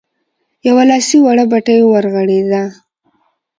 يوه لاسي وړه بتۍ ورغړېده.